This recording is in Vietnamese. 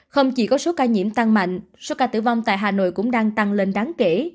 không chỉ có số ca nhiễm tăng mạnh số ca tử vong tại hà nội cũng đang tăng lên đáng kể